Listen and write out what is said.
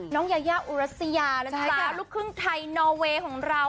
น้องยาอุรสียาลูกครึ่งไทยนอเวย์ของเรา